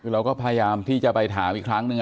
คือเราก็พยายามที่จะไปถามอีกครั้งหนึ่ง